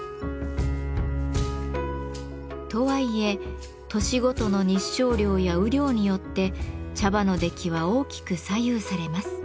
とはいえ年ごとの日照量や雨量によって茶葉の出来は大きく左右されます。